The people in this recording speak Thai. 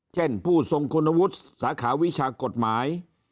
เช่นผู้ทรงคุณวุฒิสาขาวิชากฎหมาย